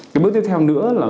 cái bước tiếp theo nữa là